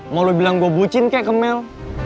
mau lo bilang gue bucin kek ke mel